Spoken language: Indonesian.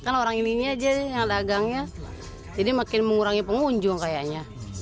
kalau orang ini aja yang dagangnya jadi makin mengurangi pengunjung kayaknya